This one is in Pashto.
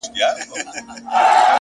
• یو نن نه دی زه به څو ځلي راځمه,